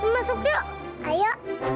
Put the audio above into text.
masuk yuk ayo